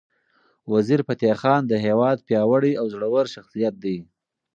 وزیرفتح خان د هیواد پیاوړی او زړور شخصیت دی.